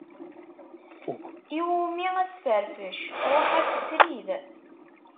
Iwumi asferfec: ṛuḥ-as srid!